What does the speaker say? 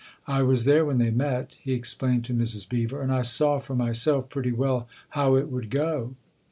I was there when they met," he explained to Mrs. Beever, " and I saw for myself pretty well how it would go."